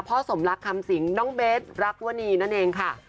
สมรักคำสิงน้องเบสรักวนีนั่นเองค่ะ